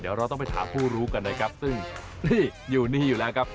เดี๋ยวเราต้องไปถามผู้รู้กันนะครับซึ่งนี่อยู่นี่อยู่แล้วครับ